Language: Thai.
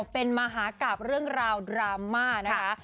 เป็นมหากราบเรื่องราวดราม่านะคะ